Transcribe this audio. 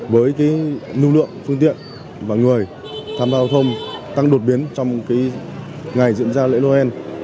với lưu lượng phương tiện và người tham gia giao thông tăng đột biến trong ngày diễn ra lễ noel